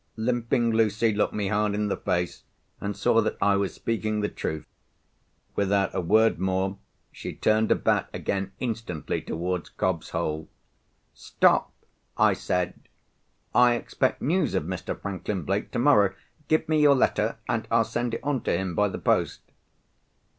Limping Lucy looked me hard in the face, and saw that I was speaking the truth. Without a word more, she turned about again instantly towards Cobb's Hole. "Stop!" I said. "I expect news of Mr. Franklin Blake tomorrow. Give me your letter, and I'll send it on to him by the post."